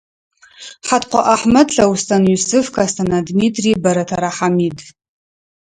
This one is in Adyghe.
Хьаткъо Ахьмэд, Лъэустэн Юсыф, Кэстэнэ Дмитрий, Бэрэтэрэ Хьамид.